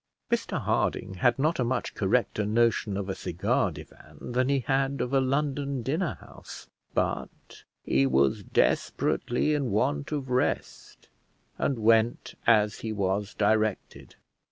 Mr Harding had not a much correcter notion of a cigar divan than he had of a London dinner house, but he was desperately in want of rest, and went as he was directed.